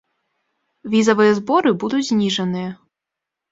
Візавыя зборы будуць зніжаныя.